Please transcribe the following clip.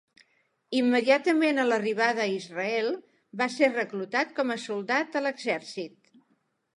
Immediatament a l'arribada a Israel va ser reclutat com a soldat a l'exèrcit.